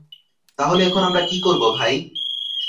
তাহলে এখন আমরা কী করব, ভাই?